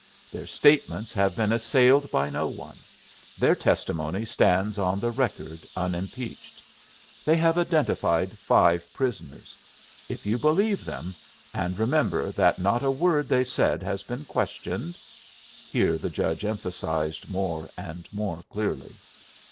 Their statements have been assailed by no one. Their testimony stands on the record unimpeached. They have identified five prisoners. If you believe them and remember that not a word they said has been questioned " here the judge emphasized more and more clearly.